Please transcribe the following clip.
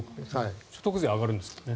所得税上がるんですもんね。